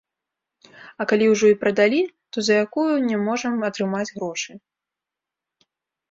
А калі ўжо і прадалі, то за якую не можам атрымаць грошы.